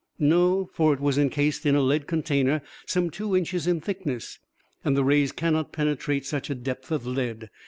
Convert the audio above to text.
"No. For it was incased in a lead container some two inches in thickness, and the rays cannot penetrate such a depth of lead.